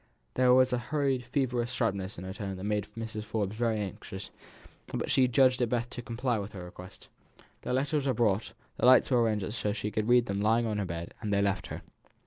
There was a hurried feverish sharpness in her tone that made Mrs. Forbes very anxious, but she judged it best to comply with her requests. The letters were brought, the lights were arranged so that she could read them lying on her bed; and they left her.